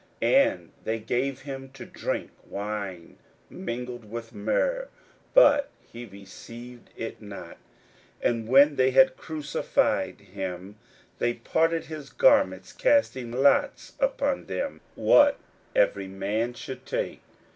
41:015:023 And they gave him to drink wine mingled with myrrh: but he received it not. 41:015:024 And when they had crucified him, they parted his garments, casting lots upon them, what every man should take.